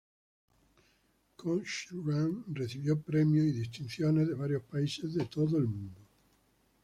Cochran recibió premios y distinciones de varios países de todo el mundo.